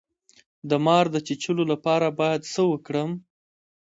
د مار د چیچلو لپاره باید څه وکړم؟